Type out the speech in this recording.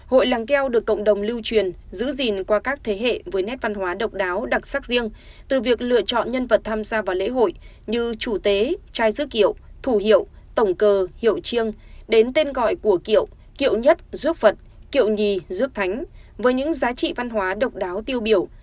hội làng keo được cộng đồng lưu truyền giữ gìn qua các thế hệ với nét văn hóa độc đáo đặc sắc riêng từ việc lựa chọn nhân vật tham gia vào lễ hội như chủ tế trai dứt kiệu thủ hiệu tổng cờ hiệu chiêng đến tên gọi của kiệu kiệu nhất giúp phật kiệu nhì giúp thánh với những giá trị văn hóa độc đáo tiêu biểu